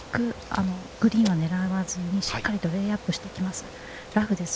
菅沼さんはおそらくグリーンは狙わずにしっかりとレイアップしてきます。